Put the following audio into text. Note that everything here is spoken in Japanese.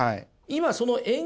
今その円